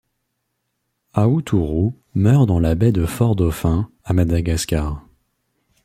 Aoutourou meurt dans la baie de Fort-Dauphin à Madagascar.